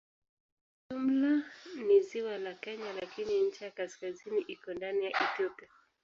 Kwa jumla ni ziwa la Kenya lakini ncha ya kaskazini iko ndani ya Ethiopia.